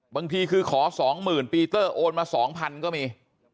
บางทีคือขอ๒๐๐๐ปีเตอร์โอนมา๒๐๐ก็มี